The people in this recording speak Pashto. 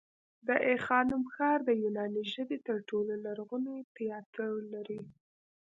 د آی خانم ښار د یوناني ژبې تر ټولو لرغونی تیاتر لري